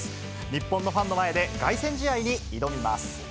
日本のファンの前で凱旋試合に挑みます。